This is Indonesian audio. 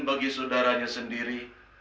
bagi saudaranya sendiri